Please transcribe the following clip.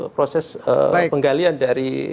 proses penggalian dari